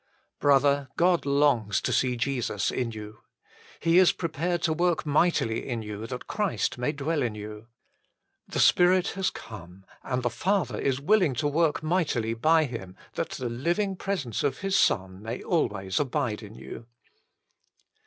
Brother, God longs to see Jesus in you. He is prepared to work mightily in you that Christ may dwell in you. The Spirit has come, and the Father is willing to work mightily by Him that 128 THE FULL BLESSING OF PENTECOST the living presence of His Son may always abide in you.